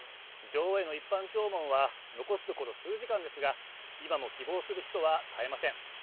女王への一般弔問は、残すところ数時間ですが、今も希望する人は絶えません。